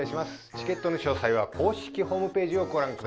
チケットの詳細は公式ホームページをご覧ください。